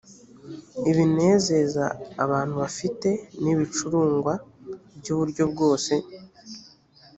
ibinezeza abantu bafite n ibicurangwa by uburyo bwose